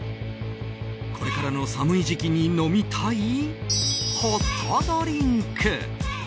これからの寒い時期に飲みたいホットドリンク。